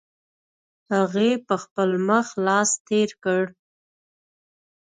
هغې په خپل مخ لاس تېر کړ.